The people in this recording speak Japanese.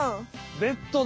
ベッドだ！